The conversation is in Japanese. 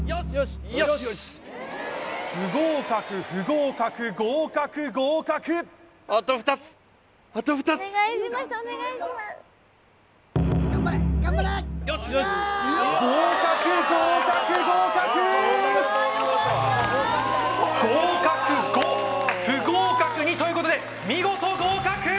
不合格不合格合格合格合格合格合格ということで見事合格！